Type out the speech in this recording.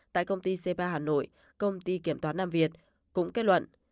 tại công ty cpa hà nội công ty kiểm toán nam việt cũng kết luận